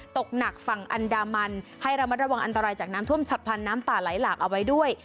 ตกหนักฝั่งอันดามันให้ระมัดระวังอันตรายจากน้ำท่วมฉับพันธ์น้ำป่าไหลหลากเอาไว้ด้วย